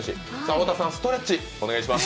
太田さん、ストレッチお願いします